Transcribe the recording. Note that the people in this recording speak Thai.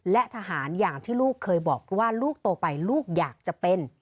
และทหารอย่างที่ลูกเคยบอกว่าลูกโตไปลูกอยากจะเป็น